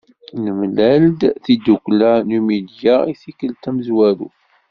Nemlal-d tiddukkla Numidya i tikkelt tamezwarut.